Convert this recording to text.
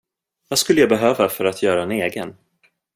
Vad skulle jag behöva för att göra en egen?